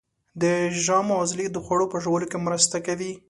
د ژامو عضلې د خوړو په ژوولو کې مرسته کوي.